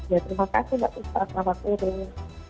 ya terima kasih mbak puspa selamat sore